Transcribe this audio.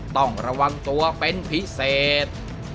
ต้องระวังตัวเป็นพิเศษ